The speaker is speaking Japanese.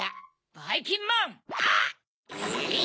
ばいきんまん！